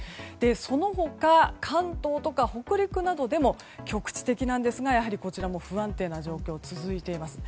その他、関東とか北陸などでも局地的なんですがやはりこちらも不安定な状況が続いています。